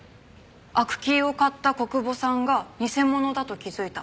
アクキーを買った小久保さんが偽物だと気づいた。